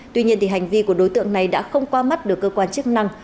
tuy nhiên hành vi của đối tượng này đã không qua mắt được cơ quan chức năng